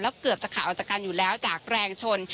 เกือบจะขาดออกจากกันอยู่แล้วจากแรงชน